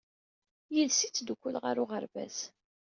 Yid-s i ttdukkuleɣ ɣer uɣerbaz.